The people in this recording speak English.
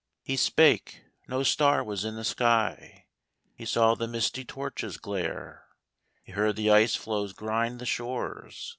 He spake — no star was in the sky — He saw the misty torches glare. He heard the ice floes grind the shores.